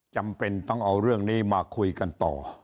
จำเป็นต้องเอาเรื่องนี้มาคุยกันต่อ